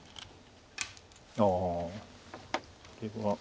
ああこれは。